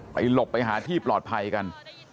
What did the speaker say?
หลบไปหาที่ปลอดภัยกัน